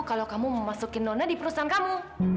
kalau kamu mau masukin dona di perusahaan kamu